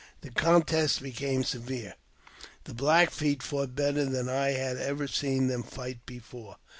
The contest became severe. The Black Feet fought better than I had ever seen them fight before.